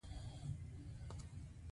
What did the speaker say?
د کندهار شیخانو وادي د پخوانیو چینو ده